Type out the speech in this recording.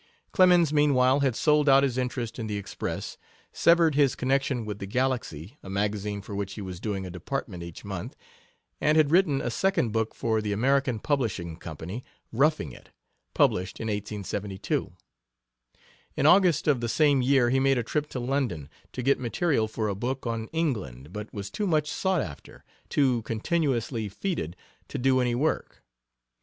Clemens, meanwhile, had sold out his interest in the Express, severed his connection with the Galaxy, a magazine for which he was doing a department each month, and had written a second book for the American Publishing Company, Roughing It, published in 1872. In August of the same year he made a trip to London, to get material for a book on England, but was too much sought after, too continuously feted, to do any work.